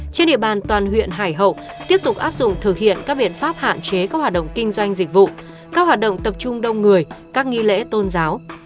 trên địa bàn toàn huyện hải hậu tiếp tục áp dụng thực hiện các biện pháp hạn chế các hoạt động kinh doanh dịch vụ các hoạt động tập trung đông người các nghi lễ tôn giáo